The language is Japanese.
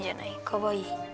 かわいい。